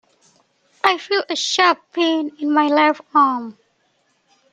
I feel a sharp pain in my left arm.